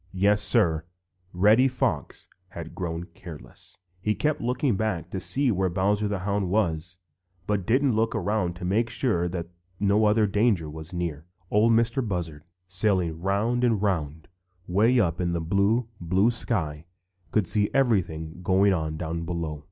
Yes, Sir, Reddy Fox had grown careless. He kept looking back to see where Bowser the Hound was, but didn't look around to make sure that no other danger was near. Ol' Mistah Buzzard, sailing round and round, way up in the blue, blue sky, could see everything going on down below.